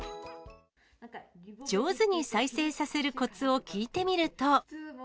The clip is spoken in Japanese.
上手に再生させるこつを聞いてみると。